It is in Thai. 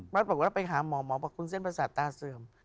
พระอาทิตย์บอกว่าไปหาหมอบอกว่าเส้นประสาทตาเสื่อม